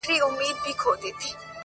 احتجاج ته مي راغوښتيیاره مړې ډېوې په جبر.